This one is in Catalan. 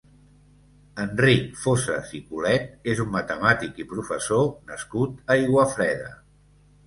Enric Fossas i Colet és un matemàtic i professor nascut a Aiguafreda.